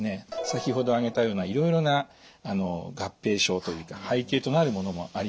先ほど挙げたようないろいろな合併症というか背景となるものもあります。